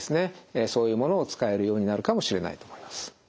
そういうものを使えるようになるかもしれないと思います。